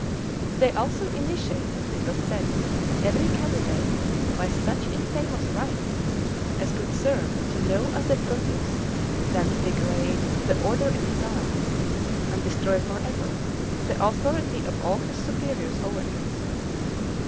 * Rymer, vol. iii. p. 31, 101. They also initiated, it was said, every candidate by such infamous rites as could serve to no other purpose than to degrade the order in his eyes, and destroy forever the authority of all his superiors over him.